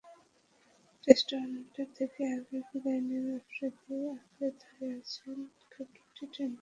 Test one-day থেকে আগেই বিদায় নেওয়া আফ্রিদি আঁকড়ে ধরে আছেন কেবল টি-টোয়েন্টি।